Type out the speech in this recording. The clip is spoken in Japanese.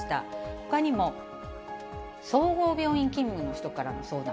ほかにも総合病院勤務の人からの相談。